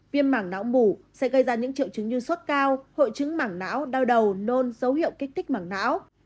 viêm mảng não mủ sẽ gây ra những triệu chứng như sốt cao hội chứng mảng não đau đầu nôn dấu hiệu kích thích mảng não